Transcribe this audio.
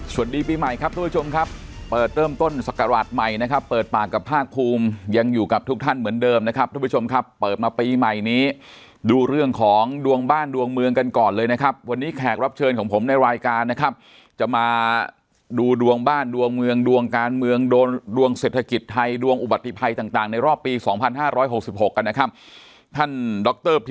ปีใหม่ครับทุกผู้ชมครับเปิดเริ่มต้นศักราชใหม่นะครับเปิดปากกับภาคภูมิยังอยู่กับทุกท่านเหมือนเดิมนะครับทุกผู้ชมครับเปิดมาปีใหม่นี้ดูเรื่องของดวงบ้านดวงเมืองกันก่อนเลยนะครับวันนี้แขกรับเชิญของผมในรายการนะครับจะมาดูดวงบ้านดวงเมืองดวงการเมืองโดนดวงเศรษฐกิจไทยดวงอุบัติภัยต่างในรอบปี๒๕๖๖กันนะครับท่านดรพ